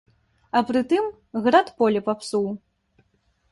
А пры тым, град поле папсуў.